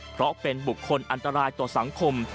เพราะเป็นบุคคลอันตรายต่อสังคม